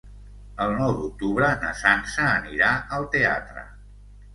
El nou d'octubre na Sança anirà al teatre.